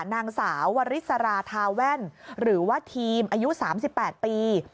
นางสาววริสราทาแว่นหรือว่าทีมอายุ๓๘ปี